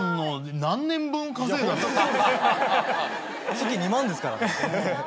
月２万ですからね。